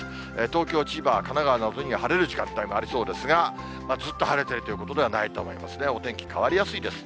東京、千葉、神奈川には晴れる時間帯もありそうですが、ずっと晴れてるということではないと思いますね、お天気変わりやすいです。